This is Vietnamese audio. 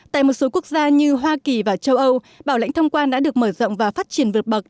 tại một số quốc gia như hoa kỳ và châu âu bảo lãnh thông quan đã được mở rộng và phát triển vượt bậc